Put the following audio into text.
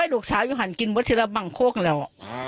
ลูกสาวอย่างกินเวลาทีหล้าบั่งโคกแล้ว